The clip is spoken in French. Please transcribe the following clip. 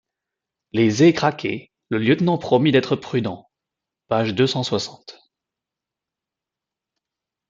Les ais craquaient Le lieutenant promit d’être prudent… page deux cent soixante.